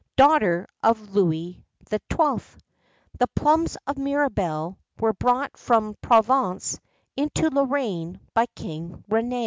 daughter of Louis XII.[XII 78] The plums of Mirabelle were brought from Provence into Lorraine by King René.